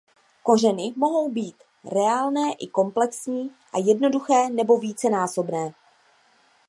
Kořeny mohou být reálné i komplexní a jednoduché nebo vícenásobné.